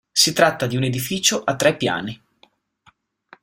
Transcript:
Si tratta di un edificio a tre piani.